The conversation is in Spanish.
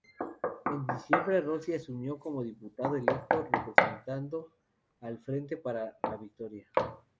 En diciembre Rossi asumió como diputado electo representando al Frente para la Victoria.